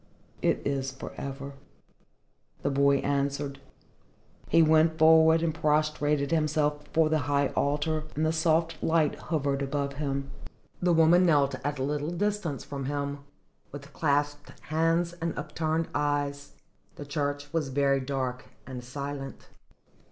"It is for ever," the boy answered. He went forward and prostrated himself before the high altar, and the soft light hovered above him. The woman knelt at a little distance from him, with clasped hands and upturned eyes. The church was very dark and silent.